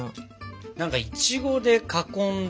なんかいちごで囲んで。